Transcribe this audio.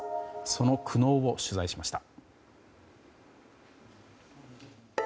その苦悩を取材しました。